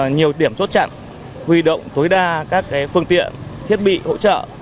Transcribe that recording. nhiều điểm chốt chặn huy động tối đa các phương tiện thiết bị hỗ trợ